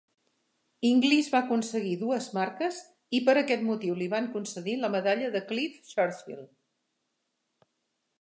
Inglis va aconseguir dues marques i, per aquest motiu li van concedir la medalla de Clive Churchill.